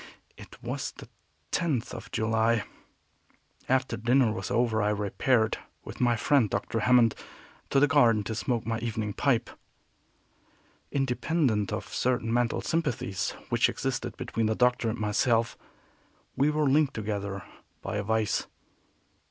It was the tenth of July. After dinner was over I repaired, with my friend Dr. Hammond, to the garden to smoke my evening pipe. Independent of certain mental sympathies which existed between the Doctor and myself, we were linked together by a vice.